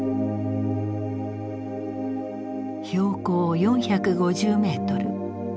標高４５０メートル。